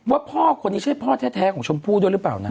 ว่าพ่อคนนี้ใช่พ่อแท้ของชมพู่ด้วยหรือเปล่านะ